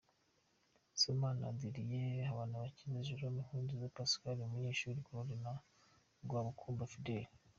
Sibomana Adrien, Habanabakize Jerome, Nkurunziza Pascal, Munyeshuli Claude na Rwabukumba Fidel!